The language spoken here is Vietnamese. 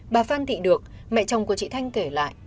bà phan thị được mẹ chồng của chị thanh kể lại